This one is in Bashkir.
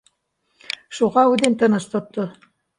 Шуға үҙен тыныс тотто